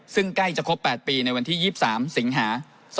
ซึ่งใกล้จะครบ๘ปีในวันที่๒๓สิงหา๒๕๖